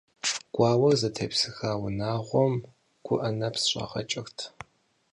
Гуауэр зытепсыха унагъуэм гуӀэ нэпс щӀагъэкӀырт.